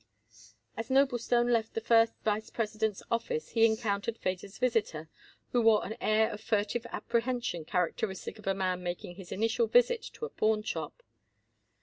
As Noblestone left the first vice president's office, he encountered Feder's visitor, who wore an air of furtive apprehension characteristic of a man making his initial visit to a pawn shop.